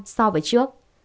so với trước